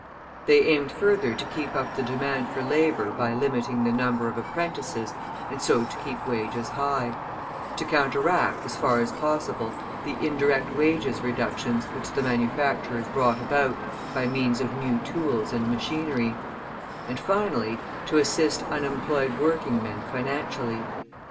They aimed further to keep up the demand for labour by limiting the number of apprentices, and so to keep wages high; to counteract, as far as possible, the indirect wages reductions which the manufacturers brought about by means of new tools and machinery; and finally, to assist unemployed working men financially.